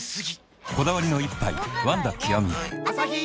こだわりの一杯「ワンダ極」